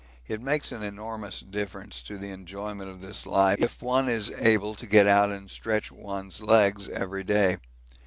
It makes an enormous difference to the enjoyment of this life if one is able to get out and stretch one's legs every day.